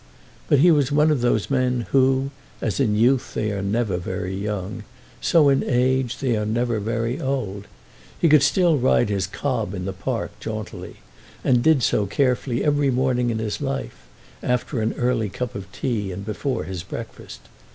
But he was one of those men who, as in youth they are never very young, so in age are they never very old. He could still ride his cob in the park jauntily; and did so carefully every morning in his life, after an early cup of tea and before his breakfast.